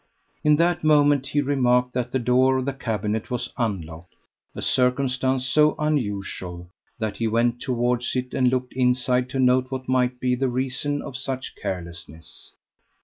In that moment he remarked that the door of the cabinet was unlocked a circumstance so unusual that he went towards it and looked inside to note what might be the reason of such carelessness.